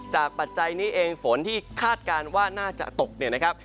ปัจจัยนี้เองฝนที่คาดการณ์ว่าน่าจะตกเนี่ยนะครับ